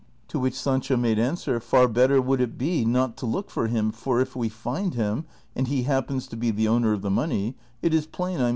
To which Sancho made answer, " Far better vvoukl it be not to look for him, for if we find him, and lie happens to be the owner of the money, it is plain I mu.